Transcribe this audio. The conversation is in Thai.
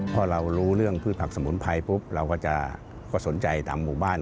พอเรารู้เรื่องพืชผักสมุนไพรปุ๊บเราก็จะสนใจตามหมู่บ้าน